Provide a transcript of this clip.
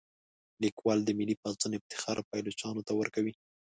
لیکوال د ملي پاڅون افتخار پایلوچانو ته ورکوي.